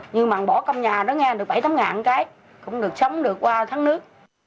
nhưng mặn bỏ trong nhà đó nghe được bảy tám ngàn cái cũng được sống được qua tháng nước